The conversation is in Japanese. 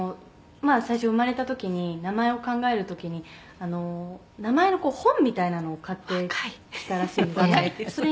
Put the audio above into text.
最初生まれた時に名前を考える時に名前の本みたいなのを買ってきたらしいんですね」